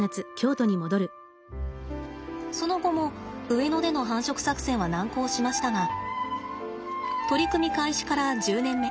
その後も上野での繁殖作戦は難航しましたが取り組み開始から１０年目。